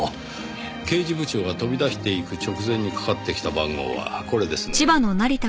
刑事部長が飛び出していく直前にかかってきた番号はこれですね。